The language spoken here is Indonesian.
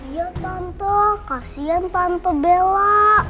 iya tante kasian tante bella